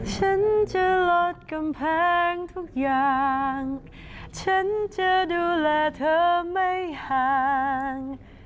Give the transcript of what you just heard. ฉันจะลดกำแพงทุกอย่างฉันจะดูแลเธอไม่ห่าง